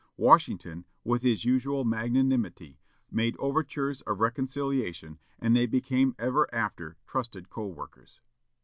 Washington, with his usual magnanimity, made overtures of reconciliation, and they became ever after trusted co workers.